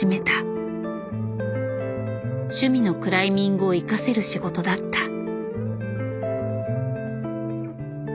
趣味のクライミングを生かせる仕事だった。